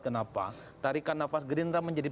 kenapa tarikan nafas gerindra menjadi